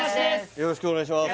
よろしくお願いします